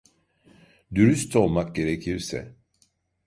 Dürüst olmak gerekirse…